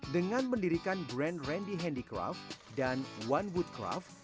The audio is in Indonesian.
dengan mendirikan brand randy handicraft dan one woodcraft